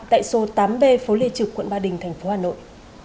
tại số tám b phố lê trực quận ba đình thành phố hà nội